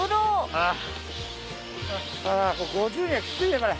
・ああこれ５０にはきついねこれ。